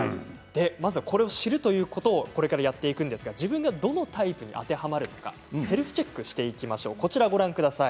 まずはこれを知るということをやっていくんですが自分がどのタイプに当てはまるのかセルフチェックしていきましょう。